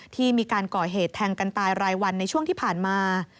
ที่มีการก่อเหตุแทงกันตายรายวันในช่วงที่ผ่านมา